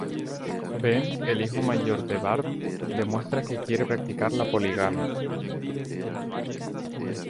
Ben, el hijo mayor de Barb, demuestra que quiere practicar la poligamia.